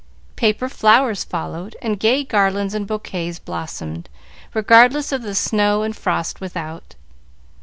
Paper flowers followed, and gay garlands and bouquets blossomed, regardless of the snow and frost without.